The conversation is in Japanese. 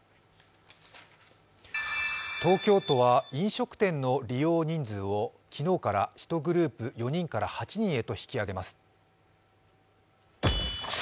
東京都は飲食店の利用人数を昨日から１グループ４人から８人へと引き上げます。